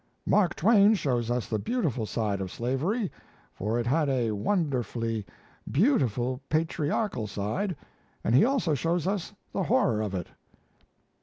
... Mark Twain shows us the beautiful side of slavery for it had a wonderfully beautiful, patriarchal side and he also shows us the horror of it."